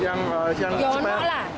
yang yang cuma